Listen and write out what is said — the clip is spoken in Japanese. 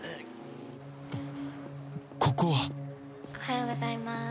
ここはおはようございます。